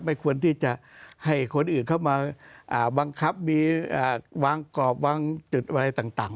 ไม่ควรที่จะให้คนอื่นเข้ามาบังคับมีวางกรอบวางจุดอะไรต่าง